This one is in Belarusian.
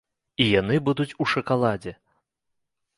І яны будуць у шакаладзе!